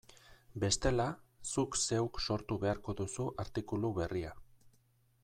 Bestela, zuk zeuk sortu beharko duzu artikulu berria.